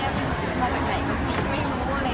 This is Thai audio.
ขอบคุณสุดท้ายครับแม่มีเกงมากเลย